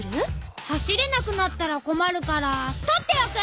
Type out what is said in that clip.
走れなくなったらこまるから取っておく！